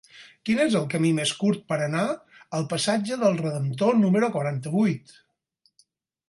Quin és el camí més curt per anar al passatge del Redemptor número quaranta-vuit?